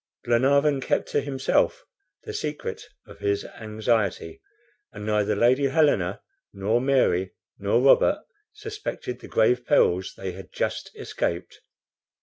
Glenarvan kept to himself the secret of his anxiety, and neither Lady Helena, nor Mary, nor Robert suspected the grave perils they had just escaped.